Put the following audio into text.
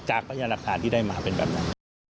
จากประหยัดรักษาที่ได้มาเป็นแบบนั้น